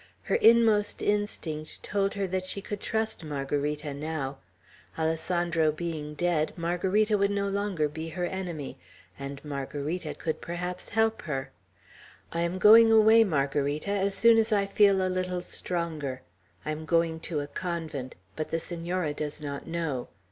Her inmost instinct told her that she could trust Margarita now. Alessandro being dead, Margarita would no longer be her enemy, and Margarita could perhaps help her. "I am going away, Margarita, as soon as I feel a little stronger. I am going to a convent; but the Senora does not know.